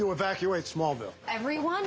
はい。